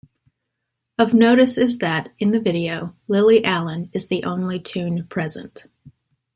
Of notice is that, in the video, "Lily Allen" is the only toon present.